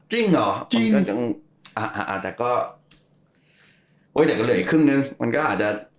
จริงหรออาจจะก็เฮ้ยแต่ก็เหลืออีกครึ่งนึงมันก็อาจจะ